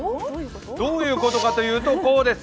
どういうことかというとこうです。